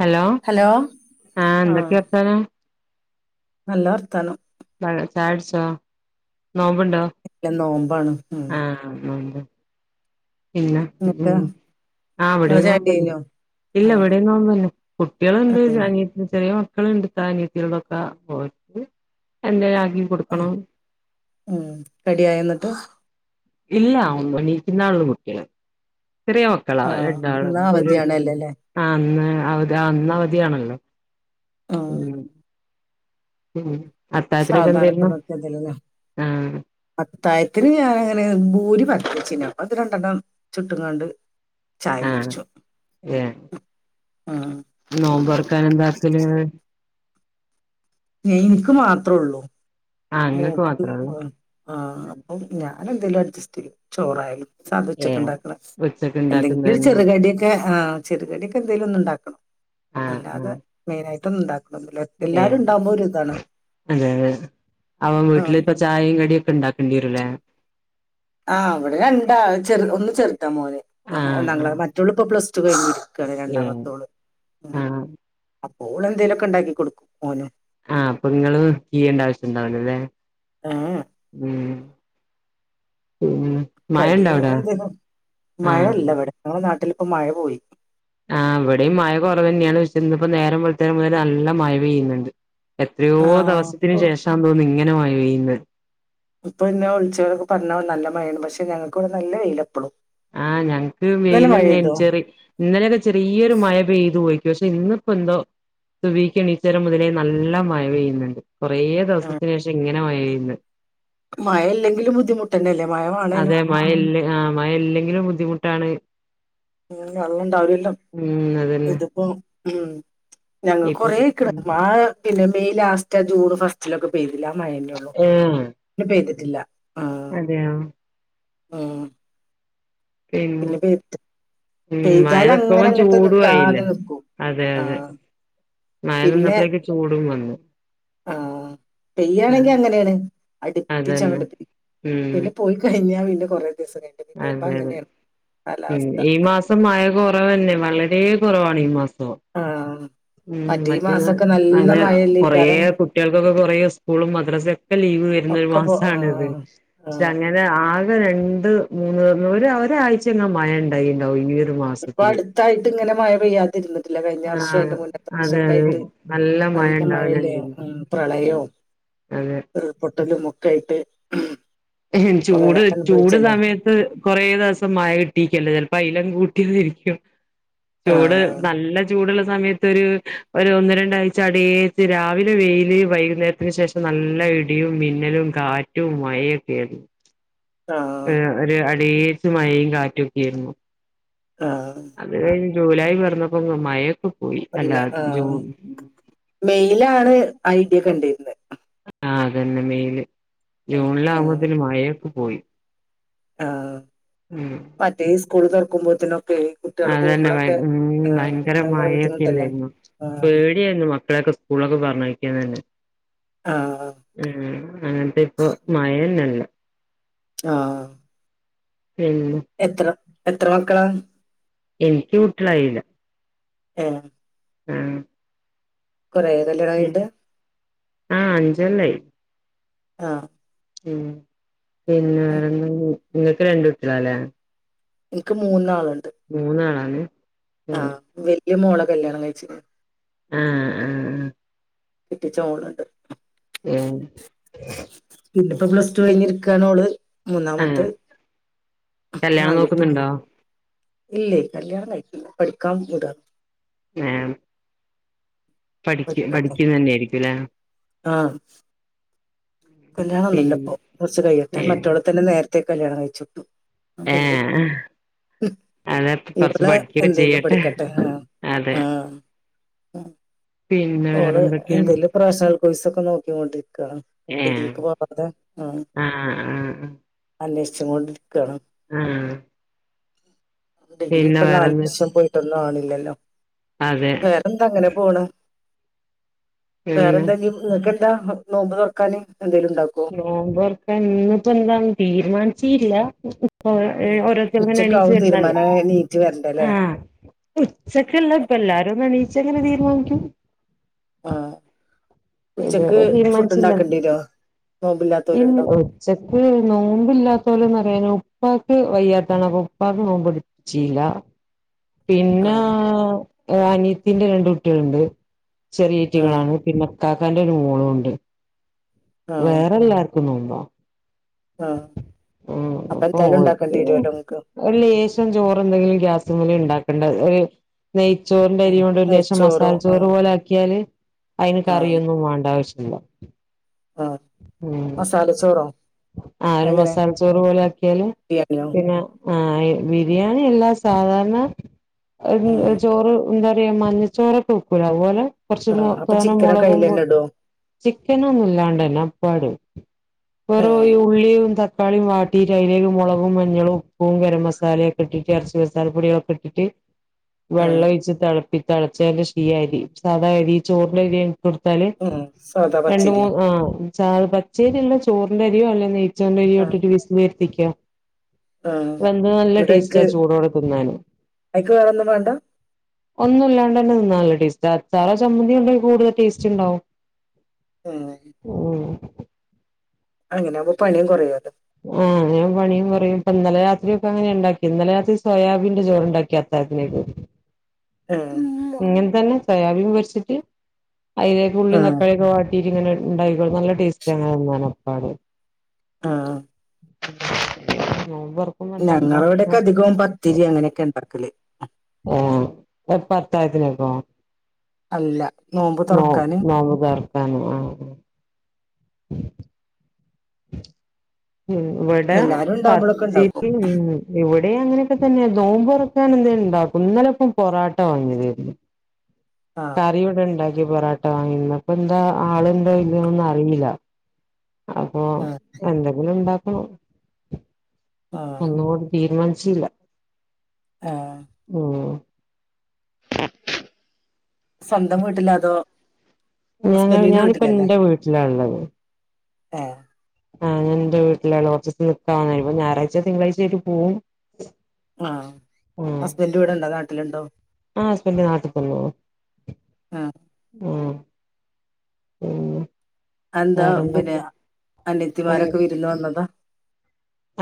hello ആ ആഹ് എന്തൊക്കെയർത്താനം നല്ല വർത്താനം ചായുടിച്ചോ നോമ്പുണ്ടോ ഇല്ല നോമ്പാണ് ഉം ആഹ് നോമ്പ് പിന്നെ എന്നിട്ട് ഉം ആഹ് നിങ്ങളെ ഇവിടെയും ചായ നോമ്പ് കുടി തന്നെ കഴിഞ്ഞോ ഇല്ല ആഹ് ഇവിടെ നോമ്പ് തന്നെ കുട്ടികളുണ്ട് അനി ചെറിയ മക്ക ളിണ്ട് ത്ത അനിയത്തീടെ മക്ക [unintelligible] ആ ഉം റെഡിയായ എന്നിട്ട് ഇല്ല [unintelligible] എണീക്കുന്നുള്ളൂ കുട്ടിയള് ചെറിയ മക്കളാ ആഹ് രണ്ടാള് ഇന്ന് ഒരു അവധിയാണല്ലോല്ലേ ആ ഇന്ന് അവധി ഇന്ന് അവധിയണല്ലോ ആഹ് ഉം അത്താഴ്ത്തിനൊക്കെ സാവധാനൊക്കെ എന്തരുന്നു നോക്കിയതല്ലേ ആഹ് അത്തായത്തിന് ഞാനങ്ങനെ ഭൂരി പരത്തിച്ചിന അപ്പ അത് രണ്ടെണ്ണം ചുട്ടുംങ്ങാണ്ട് ചായ കുടിച്ചു ഉം നോമ്പർക്കാന എന്താക്കല് എനിക്ക് മാത്രേ ഉള്ളൂ ആഹ് ഇങ്ങക്ക് മോക്ക് മാത്രേ ഉള്ളൂ ആഹ് അപ്പൊ ഞാൻ അതെന്തേലും അഡ്ജസ്റ്റ് ചെയ്യും ചോറായാലും [unintelligible] ഏ വച്ചൊക്കെ ഉണ്ടാക്കണം ഉച്ചക്ക് എന്തെങ്കിലും ഒരു ഉണ്ടാക്കുന്നന്നെ ചെറുകടിയൊക്കെ ആ ചെറുകടിയൊക്കെ എന്തെങ്കലും ഒന്നു ഉണ്ടാക്കണം ആഹ് അല്ലാതെ ആഹ് മെയിനായിട്ടൊന്നും ഇണ്ടാക്ക ഏ എല്ലാരും ഇണ്ടാവുമ്പോ ഒരു ഇതാണ് അതെ അതെ അവൻ ആ വീട്ടിലിപ്പ ചായയും കടിയൊക്കെ ഇണ്ടാക്കേണ്ടിവരുല്ലേ ആഹ് അവിടെ രണ്ടാള് ചെറ് ഒന്ന് ചെറ്താ മോന് ആഹ് ഒന്നാം ആഹ് ക്ലാസ് മറ്റോള് ഇപ്പൊ പ്ലസ് ടു കഴിഞ്ഞി ഏ രണ്ടാമത്തോള് ഉം ആഹ് അപ്പോ ഓള് എന്തേലുഒക്കെ ഉണ്ടാക്കി കൊടുക്കും ഓന് ആഹ് അപ്പൊ നിങ്ങള് ചെയ്യേണ്ട ആവശ്യംണ്ടാവുല അല്ലേ ഏഹ് ഉം പിന്നെ മഴ കടി ഇണ്ട അവിടെ എന്തേലും ആഹ് മഴഇല്ല ഇവിടെ ഞങ്ങടെ നാട്ടിലിപ്പോ മഴ പോയി ആ ഇവിടെയും മഴ കുറവ് തന്നെയാണ് പക്ഷെ ഇന്നിപ്പോ നേരം വെളുത്തരം മുതൽ നല്ല മയ പെയ്യുന്നുണ്ട് എത്രയോ ആഹ് ദിവസത്തിന് ഇപ്പൊ ശേഷാ തോന്നുന്നു ഇങ്ങനെ മയ പെയ്യുന്നത് ഇപ്പൊ ഇന്നെ വിളിച്ചവരൊക്കെ പറഞ്ഞ നല്ല മഴാണ് പക്ഷെ ഞങ്ങൾക്കിവിടെ നല്ല വെയിലപ്പളും ആഹ് ഞങ്ങക്ക് വെയിലുന്നെയാണ് ചെറി ഇന്നലെയൊക്കെ ചെറിയൊരു മയ പെയ്തു പോയി പക്ഷെ ഇന്നിപ്പോ എന്തോ സുബിക്ക് എണീച്ചേരം മുതലേ നല്ല മയ പെയ്യുന്നുണ്ട് കൊറേ ദിവസത്തിന് ശേഷം ഇങ്ങനെ മയ പെയ്യുന്നേ മഴല്ലെിലും ബുദ്ധിമുട്ടന്നെല്ലേ മഴ വാണേനും അതെ മയ ഇല്ലെ മയഇല്ലെങ്കിലും ബുദ്ധിമുട്ടാണ് ഉം വെള്ള ഇണ്ടാവില്ലല്ലോ ഉം അതന്നെ ഇതിപ്പോ ഉം ഞങ്ങൾ ഇപ്പം കൊറേയ്ക്ക്ണ് മയ പിന്നെ മെയ് ലാസ്റ്റ് ആ ജൂണ് ഫസ്റ്റിലൊക്കെ പെയ്തു എല്ലാ മഴന്നേയുള്ളൂ ഏഹ് പെയ്തിട്ടില്ല അതെയോ ആഹ് പിന്നെ പെയ് ഉം മഴനിക്കുമ്പോം ചൂടുആയില്ലേ നിക്കും അതെ ആ അതെ മഴ നിന്നപ്പോളേക്കും ചൂടും വന്നു ആഹ് പെയ്യയാണെങ്കി ആഹ് അങ്ങനെയാണ് അതന്നെ അടുപ്പിച്ചാണ്പ്പ ഉം പിന്നെ പോയി കഴിഞ്ഞാ പിന്നെ കൊറെ അതെ അതെ ഉം കാലാവസ്ഥ ഈ മാസം മഴ കുറവ്ന്നെ വളരെ ഒതേ കുറവാണ് ഈ മാസം ആ ഉം മറ്റേ ഈ മറ്റ് മാസമൊക്കെ അ നല്ല മഴയല്ലേ കൊറെ കാരണം കുട്ടികൾക്കൊക്കെ കൊറേ സ്കൂളും മദ്രസയും ഒക്കെ ലീവ് വ ഒക്കെ പോ ആ മാസണ് ഇത് ആ അങ്ങനെ ആ രണ്ട് മൂന്ന് ഒരാഴ്ചങ്ങ മഴ ഉണ്ടായിണ്ടാവും ഒരു ഒരുപ്പോ മാസത്തില് അടുത്തായിട്ട് ഇങ്ങനെ മഴ പെയ്യാതിരുന്നത് ട്ടില കഴിഞ്ഞ വർഷം ആഹ് അതിന്റെ മുന്നത്തെ വർഷ അതെ ഒക്കെ അതെ ആയിട്ട് മഴ നല്ല മഴയില് ഉണ്ടാവലുണ്ടായിരുന്നു ഉ പ്രളയവും അതെ ഒരു പൊട്ടലുമൊക്കയിട്ട് ചൂട് ചൂട് സമയത്ത് കൊറെേ ദിവസം മഴ കിട്ടീക്കല്ല ചിലപ്പോ അല കൂട്ട രിക്ക ചൂട് ആഹ് നല്ല ചൂടുള്ള സമയത്ത് ഒരു ഒന്ന രണ്ടാഴ്ച അടച്ച് രാവിലെ വെയില് വൈകുന്നേരത്തിന് ശേഷം നല്ല ഇടിയും മിന്നലും കാറ്റും മഴയൊക്കയരുന്നു ഏ ആഹ് ഒരു അടേച്ച് മഴയും കാറ്റൊക്കൊയിരുന്നു ആ ജൂലായി പറഞ്ഞപ്പ മഴക്കും അല്ല ആ മെയിലാണ് ഐഡിയ കണ്ടിരുന്നത് ആ അതന്നെ മെയില് ആഹ് ജൂണിലാവകുമ്പോതല് മഴയൊക്കെ പോയി ആ ഉം മറ്റേ സ്കൂള് തുറക്കുമ്പോത്തന അതന്നെ ഉ ഭയങ്കര മഴൊക്കെ ഇല്ലായിരുന്നു ആഹ് പേടിയായിരുന്നു മക്കളൊക്കെ സ്കൂളൊക്കെ പറഞ്ഞ വക്കന്ന് തന്നെ ആഹ് ഉം അങ്ങനത്തെ ഇപ്പൊ മയന്നല്ല ആ പിന്നെ എത്ര എത്ര മക്കളാ എനിക്ക് കുട്ടികളായില്ല ആ ഉം കല്യാണം കഴിഞ്ഞിട്ട് ആ അഞ്ചല്ലായി ആ ഉം പിന്നെ വേറെ നിങ്ങക്ക് രണ്ടുട്ടികളല്ലേ എനിക്ക് മൂന്നാള മൂന്നാളാണ് ഈ മോള കല്യാണം കഴിച്ചിത് ആ ആ ആ ആ കെട്ടിച്ച മോളുണ്ട് ഏഹ് പിന്നപ്പോ പ്ലസ് ടു കഴിഞ്ഞ ഇരിക്കണോഓള് മൂന്നാമത്തെ ആഹ് കല്യാണം ആൺകുട്ടിയ നോക്കുന്നുണ്ടോ ഇല്ലേ കല്യാണം ആയിക്ക പഠിക്കാൻ മുട ഏ പഠ പഠിക്കുന്ന തന്നെയ ആയിരിക്കും അല്ലെ ആ കല്യാണം ഒന്നുമ ഇല്ല പിന്നെ ഇപ്പോ കുറച്ച് കഴിയട്ടെ മറ്റുള്ള ഏഹ് തന്നെ നേരത്തെ കല്യാണം കഴിച്ചിട്ടു അപ്പൊ ഇനി ഏഹ് അതെ കൊറച്ച് പഠിക്കൊക്കെ ഇവളെഎന്തെങ്കിലും ചെയ്യട്ടെ പഠിക്കട്ടെ ആ അതെ ആ പിന്നെ ഓൾ വേറെന്തൊക്കെയാണ് എന്തെലും പ്രൊഫഷണൽ കോഴ്സ് ഒക്കെ നോക്കോണ്ടിരിക്കാണ് ഏഹ് ഡിഗ്രിക്ക് പോവാതെ ആഹ് അന്വേഷിച്ച കൊണ്ടിരിക്കണം ഉം ഡിഗ്രി ഇപ്പൊ നാല് വർഷം പോയിട്ടൊന്നും ആണില്ലല്ലോ അതെ വേറെന്താ അങ്ങനെ പോണ പിന്നെ വേറെന്താ നിനക്കെന്താ നോമ്പ് തുറക്കാന് എന്തേലും ഉണ്ടാക്കോ നോമ്പർക്ക ഇന്നിപ്പോ എന്താ തീരുമാനിച്ചില്ല ഓ ഉം ഓരോരുത്തരങ്ങന എണീച്ച് ഉച്ചക്കാവും വരുന്നല്ലേ തീരുമാനായ നീറ്റ് വരണ്ടല്ലേ ആ ഉച്ചക്ക്ള്ള ഇപ്പ എല്ലാരും നണീയിച്ച അങ്ങനെ തീരുമാനിക്കും ആ ഉച്ചക്ക് ഫുഡ് ഉണ്ടാക്കേണ്ടിരോ നോമ്പില്ലാത്തോലുണ്ടോ ഒച്ചക്ക് നോമ്പില്ലാത്തോലെന്ന അനെ ഉപ്പാക്ക് വയ്യാത്തണ അപ്പൊ ഉപ്പാക്ക് നോമ്പ പിടിപ്പിച്ചീല്ല പിന്നെ ആഹ് അനീത്തിൻ്റെ രണ്ട് കുട്ടികളുണ്ട് ആഹ് ചെറിയറ്റികളാണ് പിന്നെ ക്കാക്കാന്റെ ഒരു മോളുണ്ട് വേറെല്ലാർക്കും നോമ്പാ ആ ഉം അപ്പൊൽക്ക് ഒരു ലേശം ചോറ് എന്തെങ്കിലും ഗ്യാസ്മ്മൽ ഉണ്ടാ ഉണ്ട ഒരു നെയ്ച്ചോറിന്റെ അരി ഉം കൊണ്ട് ഒരു ലേശം നെയ്ച്ചോറോ മസാല ചോറ് ആഹ് പോലെ ആക്കിയാല് അയിന് കറിയൊന്നും വേണ്ട ആവശ്യമില്ല ആ മസാല ചോറോ ആ ഒരു അതെങ്ങനെ മസാല ചോറ് പോലെ ആക്കിയാല് ബിരിയാണിയോ പിന്നെ ആ ബിരിയാണി എല്ലാം സാധാരണ ആഹ് ഒരു ചോറ് എന്താ പറയാ മഞ്ഞച്ചോറൊക്കെ വെക്കൂല അതുപോലെ കൊറച്ച് ആഹ് അപ്പൊ തോനം ചിക്കനൊക്കെ മുളകുമ്പോൾ അയിലന്നെ ഇടോ ചിക്കനൊന്നും ഇല്ലാണ്ടന്നെ അപ്പാട് വെറോ ആഹ് ഈ ഉള്ളിയും ത തക്കാളിയും വാട്ടിയിട്ട് അയിലേക്ക് മുളകും മഞ്ഞളും ഉപ്പും ഗരം മസാലയൊക്കെ ഇട്ടിട്ട് ഇറച്ചി മസാല പൊടികളൊക്കെ ഇട്ടിട്ട് ആഹ് വെള്ളം ഒഴിച്ച് തിളപ്പി തിളച്ചതിന്റെ ശ്രീ അരി സാദാ അരി ചോറിൻ്റെരി കൊടുത്താല് ഉം സാദാ രണ്ട് പച്ചരി മൂന്ന് ആ ച പച്ചേരി ഉള്ള ചോറിന്റെ അരിയോ അല്ലെ നെയ്ച്ചോന്റെ അരിയോ ആഹ് ഇട്ടിട്ട് വിസ് വരുത്തിക്കുക ആഹ് വന്ത് നല്ല എന്നിട്ട് ടേസ്റ്റാ അയിക്ക് ചൂടോടെ തിന്നാന് അയിക്ക് വേറൊന്നും വേണ്ട ഒന്നും ഇല്ലാണ്ട് തന്നെ നിന്ന നല്ല ടേസ്റ്റ് അച്ചാറ ചമ്മന്തിണ്ട കൂടുതൽ ടേസ്റ്റ് ഉണ്ടാവും ഉം ഉം അങ്ങനാവുമ്പോ പണിയും കുറയല്ലോ ആഹ് ഞാൻ പണിയും പറയും ഇപ്പ ഇന്നലെ രാത്രി ഒക്കെ അങ്ങനെ ഉണ്ടാക്കി ഇന്നലെ രാത്രി സോയാബീന്റെ ചോറ് ഉണ്ടാക്കിയാത്ത [unintelligible] ആ സോയാബീൻ പൊരിച്ചിട്ട് അതിലേക്ക് ഉള്ളി ആഹ് തക്കളിയൊക്കെ വാ തീരിങ്ങനെ ഉണ്ടായിക്കോള നല്ല ടേസ്റ്റ് അങ്ങനെന്നാണ് അപ്പാട് ആ ഉ ഞങ്ങള ഇവിടെയൊക്കെ അധികവും പത്തിരി അങ്ങനെയൊക്കെ ഉണ്ടാക്കല് ആ പത്തായത്തിനക്കോ അല്ല നോമ്പ് നോ തുറക്കാന് നോമ്പ് തുറക്കാൻ ആ ഉ ഉ ഉം ഇവിടെ എല്ലാരും ഉണ്ടാവുമ്പോഴൊക്കെ ഉണ്ടാക്കും പത്തിരി ഉം ഇവിടെ അങ്ങനെയൊക്കെ തന്നെ നോമ്പുറ കാന എന്ത ഉണ്ടാക്കും ഇന്നലെ ഇപ്പം പൊറോട്ട വന്നി തരുന്നു ആഹ് കറിവിടെ ഉണ്ടാക്ക പൊറട്ട വാങ്ങി അപ്പൊ എന്താ ആളണ്ടോ ഇല്ലൊന്നും അറിയില്ല അപ്പൊ എന്തെങ്കിലും ഉണ്ടാക്കണോ ആഹ് ഒന്നുകുടി തീരുമാനി ചില്ല ആഹ് ഉം സ്വന്തം വീട്ടില്ല അതോ ഞങ്ങ ഹസ്ബൻഡിന്റെ ഞാനിപ്പോ വീട്ടിലല്ലേ എന്റെ വീട്ടിലാള്ളത് ഏഹ് ആഹ് ഞാ എന്റെ വീട്ടില കുറച്ച് ദിവസം നിക്കാ വന്നായിപ്പ ഞായറാഴ്ച തിങ്കളാഴ്ചായിട്ട് പോവും ആ ഹസ്ബൻ്റ് ഇവിടെണ്ടോ നാട്ടിലുണ്ടോ ആ ഹസ്പന് നാട്ട പോണോ ആഹ് ആ ഉം എന്താ പിന്നെ അനയത്തിമാരൊക്കെ വിരുന്നു വന്നതാ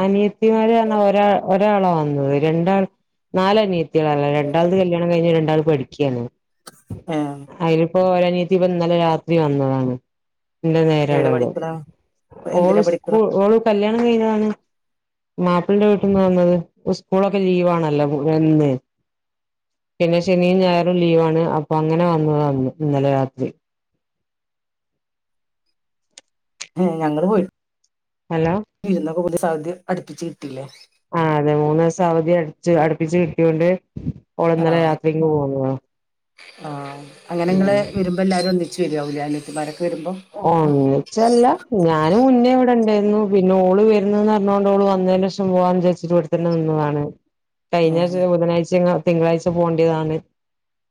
അനിയത്തിമാരാണ് ഒരാ ഒരാളാ വന്നത് രണ്ടാൾ നാല് അനിയത്തികളാള്ളേ രണ്ടാളത് കല്യാണം കഴിഞ്ഞ് രണ്ടാള് പഠിക്കാണ് ആ ഏ ഒരനിയത്തി ഇപ്പ ഇന്നലെ രാത്രി വന്നതാണ് എന്റെ എവിടെ നേരളളവള് പഠിക്കണ ഓള് എന്തിനാ സ്കൂ പഠിക്കണ ഓള് കല്യാണം കഴിഞ്ഞാണ് മാപ്പിളിടെ വീട്ടിന്ന് വന്നത് ഉസ്കൂളൊക്കെ ലീവ് ആണല്ലോ എന്ന് പിന്നെ ശനിയും ഞായറും ലീവാണ് അപ്പൊ അങ്ങനെ വന്നതാ ഒന്ന് ഇന്നലെ രാത്രി ഞങ്ങള് പോയി ഹലോ വിരുന്നൊക്കെ പുതിയ അടുപ്പിച്ച് കിട്ടിയില്ലേ ആ അതെ മൂന്ന് ദിവസം അവധി അടച്ച് അടുപ്പിച്ച് കിട്ടിയൊണ്ട് ഓള് ഇന്നലെ രാത്രിങ് പോന്നതാ ആഅങ്ങനെ ഇങ്ങള് ഉം വരുമ്പോ എല്ലാരും ഒന്നിച്ച് വരാവൂല്ലേ അനി യത്തിമാരൊ ആഒന്നിച്ചല്ല ഞാന് മുന്നേ ഇടെണ്ടേർന്നു പിന്നെ ഓള് വരുന്നന്ന് അറഞ്ഞോണ്ട് ഓള് വന്നേൻ്റെഷം പോവാന്ന് വിചാരിച്ചിട്ട് ഇവിടത്തന്നെ നിന്നതാണ് കഴിഞ്ഞ ആഹ് ചൊ ബുധനാഴ്ച ങ്ങ തിങ്കളാഴ്ച പോണ്ടിതാണ്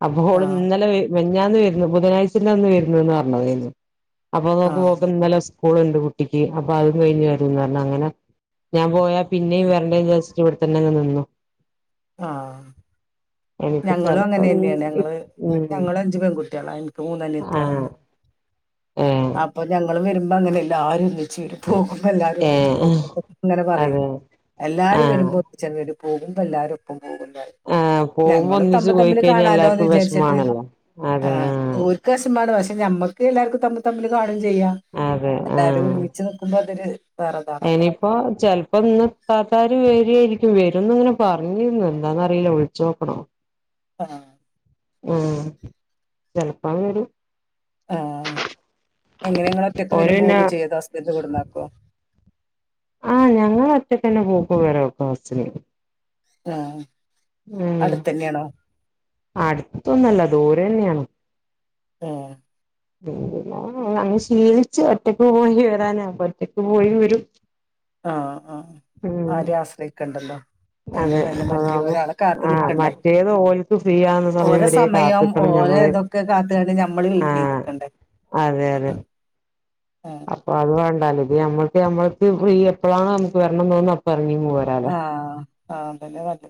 അപ്പോപ്പോ ഓള് ആഹ് ഇന്നലെ വരു ഞാന്ന് വരുന്നു ബുധനാഴ്ചന്റെന്ന് വരുന്നുന്ന് പറഞ്ഞതാരുന്നു അപ്പൊ നോക്ക് മോക്ക് ആഹ് ഇന്നലെ സ്‌ കൂളുണ്ട് കുട്ടിക്ക് അപ്പൊ അതും കഴിഞ്ഞ് വരുംന്ന് പറഞ്ഞ് അങ്ങനെ ഞാൻ പോയാ പിന്നെയും വരണ്ടെന്ന്ചാരിച്ച് ഇവിടെത്തന്നെ അങ്ങ് നിന്നു ആ എനിക്ക് ഞങ്ങളും ചെലപ്പം അങ്ങനെന്നെയാണ് ഞങ്ങള് ഉം ഞങ്ങള് അഞ്ചു പെൺകുട്ടികള എനിക്ക് മൂന്ന് അനിയത്തിള് ആഹ് ഇണ്ട് ഏഹ് അപ്പൊ ഞങ്ങളും വരുമ്പോ അങ്ങനെല്ലാരും വരും ച്ചീരി പോകുമ്പോ എല്ലാരും ഒന്നിച്ച് പോവും ഏഹ് ന്നിട്ട് ഇങ്ങനെ പറയും അതെ എല്ലാരും ആഹ് വരുമ്പോ ഒന്നിച്ചങ്ങ് വരും പോകുമ്പോ എല്ലാരും ഒപ്പം പോകും പറയും ആഹ് പോകുമ്പോ ഞങ്ങളും ഒന്നിച്ച് പോയി തമ്മിതമ്മില് കഴിഞ്ഞാൽ കാണാലോന്ന് എല്ലാർക്കും വിചാരിച്ചിട്ട് വിഷമാണല്ലോ ആ അതെ ആഹ് ഓരക്ക് വെശമാണ് പഷേ ഞമ്മക്ക് എല്ലാവർക്കും തമ്മിൽ തമ്മിൽ കാണും ചെയ്യാം അതെ എല്ലാരും ഒരുമിച്ച് നിക്കുമ്പോ അതൊരു വേറെതാണല്ലോ അയ്നിപ്പോ ചെലപ്പോ ഇന്ന് ഇത്താത്താര് വെരുയിരിക്കും വരുംന്ന് ഇങ്ങനെ പറഞ്ഞിരുന്ന് എന്താന്നറിയില്ല വിളിച്ചു നോക്കണം ആ ഉം ചെലപ്പാ വരും ആഎങ്ങനെങ്ങള് ഒറ്റക്ക് ഓര് വരും പിന്നെ പോവുക്കെ ചെയ്യോ അതോ ഹസ്ബൻ്റ് കൊടുന്നാക്കോ ആഞങ്ങള് ഒറ്റക്കന്നെ പോക്കും വരവൊക്കെ ബസിന് ആ അടുത്തന്നെണോ അടുത്തൊന്നു അല്ല ദൂരെന്നെയാണ് ആ പിന്നെ അങ്ങ് ശീലിച്ച് ഒറ്റക്ക് പോയി വരാനപ്പ ഒറ്റക്ക് പോയി വരും ആആ ഉം ആരേം ആശ്രയിക്കണ്ടല്ലോ അയന്നെ അതെ നല്ലേ മറ്റേ അതാവും ഒരാളെ കാത്തു ആഹ് നിക്കണ്ടെ മറ്റേത് ഓൽക്ക് ഫ്രീ ആവുന്ന സമയം ഓരെ വരെ സമയം ഓ കാത്ത്ക്കണം ഓരെ ഞമ്മള് ഇതൊക്കെ കാത്തുകണ്ട് ഞമ്മള് വെയിറ്റീത് ആഹ് നിക്കണ്ടേ അതെ അതെ ആഹ് അപ്പൊ അത് വേണ്ടാലോ ത് ഞമ്മൾക്ക് ഞമ്മൾക്ക് ഫ്രീ എപ്പോഴാണോ നമുക്ക് വരണംന്ന് തോന്നുന്ന് അപ്പ എറങ്ങിങ്ങ് പോരാലോ ആ അതന്നെ പാട്ട്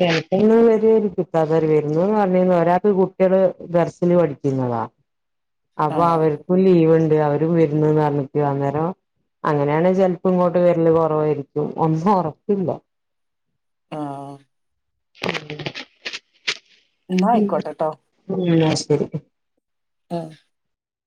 ചെലപ്പന്ന് വരുരേരിക്കും ഇത്താത്താര് വരുന്നുന്ന് പറഞ്ഞേർന്നു ഒരാക്ക് കുട്ടിള് ദർശില് പഠിക്കുന്ന പോവാ അപ്പൊ ആഹ് അവർക്കും ലീവ്ണ്ട് അവരും വരുന്ന് പറഞ്ഞിട്ടു അന്നേരം അങ്ങനെയാണെ ചെലപ്പോ ഇങ്ങോട്ട് വരല് കൊറവായിരിക്കും ഒന്നും ഉറപ്പില്ല ആ ഉം എന്നാ ആയിക്കോട്ടെ ട്ടോ [inaudible] ആഹ